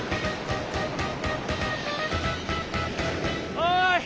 おい！